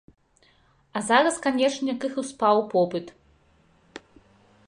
А зараз, канечне, крыху спаў попыт.